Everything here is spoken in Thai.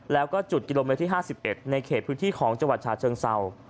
แล้วก็จุดกิโลเมตรที่๕๑ในเขตพื้นที่ของจังหวัดฉาเชิงเศร้า